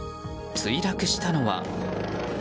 墜落したのは。